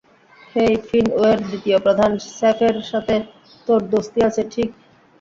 হেই, ফিনওয়ের দ্বিতীয় প্রধান, - শেফের সাথে তোর দোস্তি আছে, ঠিক?